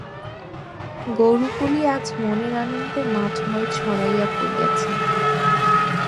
গোরুগুলি আজ মনের আনন্দে মাঠময় ছড়াইয়া পড়িয়াছে।